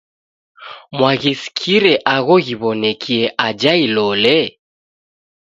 Mwaghisikire agho ghiw'onekie aja Ilole?